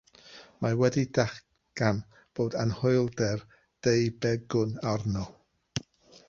Mae wedi datgan bod anhwylder deubegwn arno.